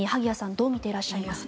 どう見ていらっしゃいますか？